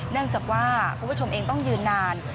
เนื่องจากว่าคุณผู้ชมเองต้องยืนนาน